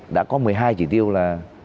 đã có một mươi hai chỉ tiêu là